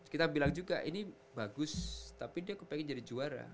kita bilang juga ini bagus tapi dia kepengen jadi juara